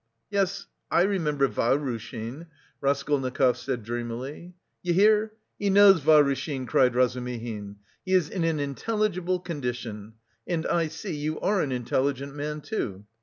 "Yes, I remember... Vahrushin," Raskolnikov said dreamily. "You hear, he knows Vahrushin," cried Razumihin. "He is in 'an intelligible condition'! And I see you are an intelligent man too.